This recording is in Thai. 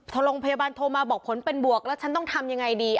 พอโรงพยาบาลโทรมาบอกผลเป็นบวกแล้วฉันต้องทำยังไงดี